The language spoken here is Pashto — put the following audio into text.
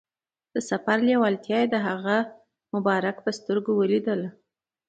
د سفر لیوالتیا یې د هغه مبارک په سترګو کې ولیدله.